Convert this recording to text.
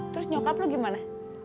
terus nyokap lu gimana